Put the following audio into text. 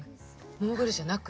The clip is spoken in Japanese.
モーグルじゃなく？